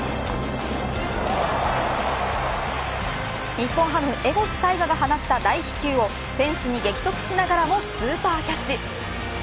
日本ハム江越大我が放った大飛球をフェンスに激突しながらもスーパーキャッチ。